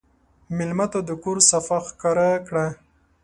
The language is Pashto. مېلمه ته د کور صفا ښکاره کړه.